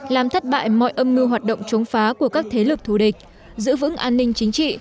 làm thất bại mọi âm mưu hoạt động chống phá của các thế lực thù địch giữ vững an ninh chính trị